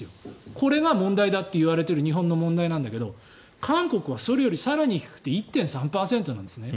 これが問題だといわれている日本の問題なんだけど韓国はそれより更に低くて１．３％なんですね。